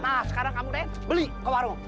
nah sekarang kamu naik beli ke warung